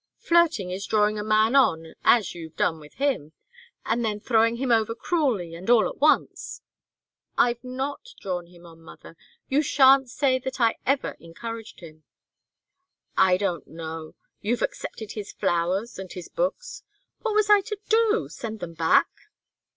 Flirting is drawing a man on as you've done with him, and then throwing him over cruelly and all at once." "I've not drawn him on, mother! You shan't say that I ever encouraged him." "I don't know. You've accepted his flowers and his books " "What was I to do? Send them back?"